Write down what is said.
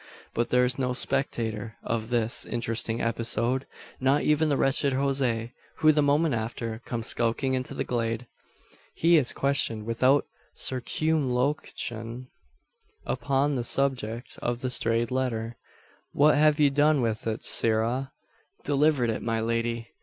But there is no spectator of this interesting episode; not even the wretched Jose; who, the moment after, comes skulking into the glade. He is questioned, without circumlocution, upon the subject of the strayed letter. "What have you done with it, sirrah?" "Delivered it, my lady."